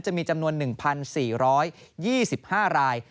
จะมีจำนวน๑๔๒๕ราย